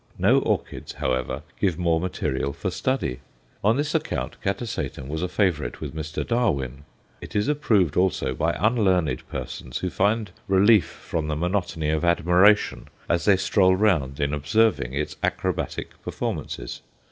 No orchids, however, give more material for study; on this account Catasetum was a favourite with Mr. Darwin. It is approved also by unlearned persons who find relief from the monotony of admiration as they stroll round in observing its acrobatic performances.